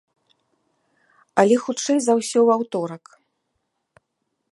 Але хутчэй за ўсё ў аўторак.